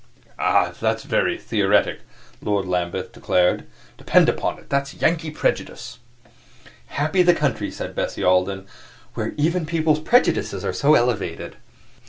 "Ah, that's very theoretic," Lord Lambeth declared. "Depend upon it, that's a Yankee prejudice." "Happy the country," said Bessie Alden, "where even people's prejudices are so elevated!"